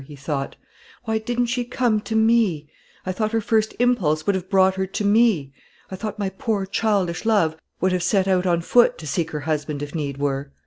he thought; "why didn't she come to me? I thought her first impulse would have brought her to me. I thought my poor childish love would have set out on foot to seek her husband, if need were."